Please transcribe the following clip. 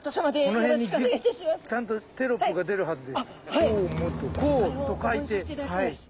この辺にちゃんとテロップが出るはずです。